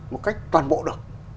một cách toàn bộ được